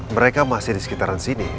mereka masih di sekitaran sini